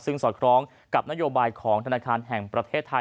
ซึ่งสอดคล้องกับนโยบายของธนาคารแห่งประเทศไทย